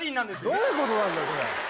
どういうことなんだよそれ。